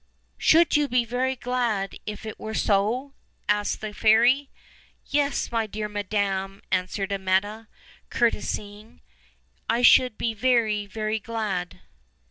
"Should you be very glad if it were so?" asked the fairy. "Yes, my dear madam," answered Amietta, courtesy ing, "I should be very, very glad."